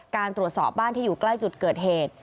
การตรวจสอบบ้านที่อยู่ใกล้จุดเกิดเหตุ